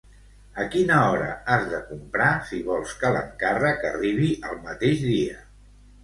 A quina hora has de comprar si vols que l'encàrrec arribi el mateix dia?